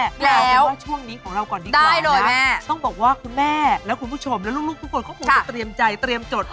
แล้วได้โดยแม่ต้องบอกว่าช่วงนี้ของเราก่อนดีกว่านะต้องบอกว่าคุณแม่และคุณผู้ชมและลูกทุกคนคงคงคงจะเตรียมใจเตรียมจด